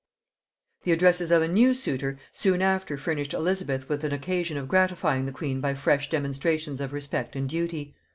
The addresses of a new suitor soon after furnished Elizabeth with an occasion of gratifying the queen by fresh demonstrations of respect and duty.